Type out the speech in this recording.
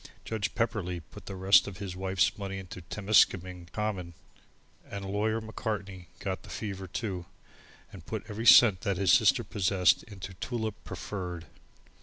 Judge Pepperleigh put the rest of his wife's money into Temiskaming Common, and Lawyer Macartney got the fever, too, and put every cent that his sister possessed into Tulip Preferred.